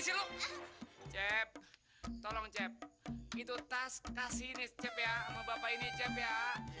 di sini cep tolong cep itu tas kasih ini cepet ya bapak ini cepet ya